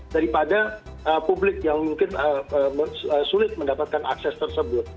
daripada publik yang mungkin sulit mendapatkan akses tersebut